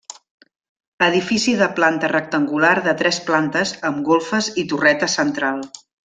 Edifici de planta rectangular de tres plantes amb golfes i torreta central.